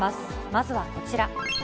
まずはこちら。